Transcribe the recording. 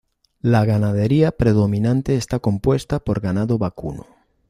La ganadería predominante está compuesta por ganado vacuno.